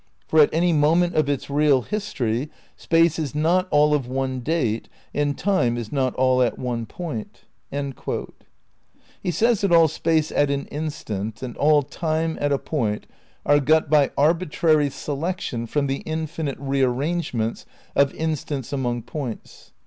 For at any moment of its real history Space is not all of one date and Time is not all at one point." ' He says that all Space at an instant and all Time at a point are got by "arbitrary selection from the infinite rearrangements of instants among points."